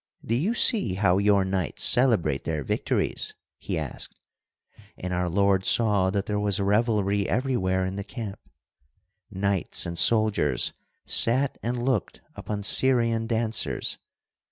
'Do you see how your knights celebrate their victories?' he asked. And our Lord saw that there was revelry everywhere in the camp. Knights and soldiers sat and looked upon Syrian dancers.